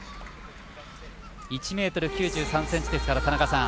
１ｍ９３ｃｍですから、田中さん